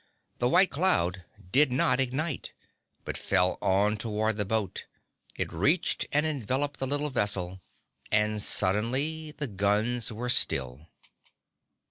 The white cloud did not ignite, but fell on toward the boat. It reached and enveloped the little vessel, and suddenly the guns were still.